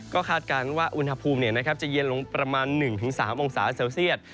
ก็คาดการณ์ว่าอุณหภูมิจะเย็นลงประมาณ๑๓องศาเซลเซียต